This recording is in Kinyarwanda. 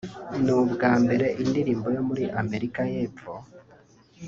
ni ubwa mbere indirimbo yo muri Amerika y’epfo